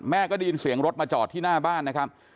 ได้ยินเสียงรถมาจอดที่หน้าบ้านนะครับ